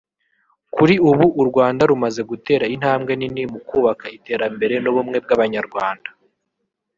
Kuri ubu u Rwanda rumaze gutera intambwe nini mu kubaka iterambere n’ubumwe bw’Abanyarwanda